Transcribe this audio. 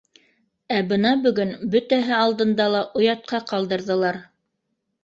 Ә бына бөгөн бөтәһе алдында ла оятҡа ҡалдырҙылар.